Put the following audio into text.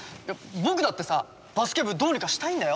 僕だってさバスケ部どうにかしたいんだよ？